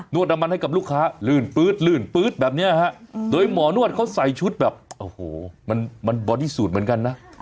วดน้ำมันให้กับลูกค้าลื่นปื๊ดลื่นปื๊ดแบบนี้ฮะโดยหมอนวดเขาใส่ชุดแบบโอ้โหมันบอดี้สูตรเหมือนกันนะ